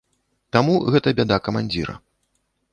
Таму гэта бяда камандзіра.